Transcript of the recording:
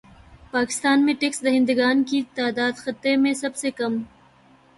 پاکستان میں ٹیکس دہندگان کی تعداد خطے میں سب سے کم